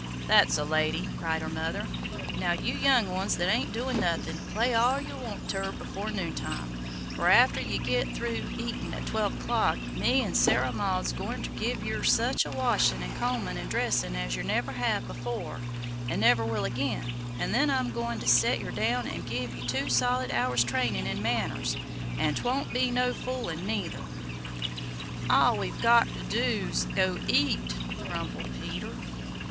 "That's a lady;" cried her mother. "Now, you young ones that ain't doin' nothin', play all yer want ter before noontime, for after ye git through eatin' at twelve o'clock me 'n Sarah Maud's goin' ter give yer such a washin' an' combin' an' dressin' as yer never had before an' never will agin, an' then I'm goin' to set yer down an' give yer two solid hours trainin' in manners; an' 'twon't be no foolin' neither." "All we've got ter do 's go eat!" grumbled Peter.